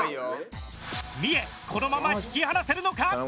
三重このまま引き離せるのか？